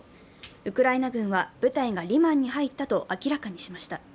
ウクライナ軍は部隊がリマンに入ったと明らかにしました。